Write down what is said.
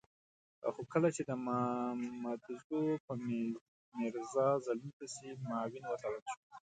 خو کله چې د مامدزو په میرزا زلمي پسې معاون وتړل شو.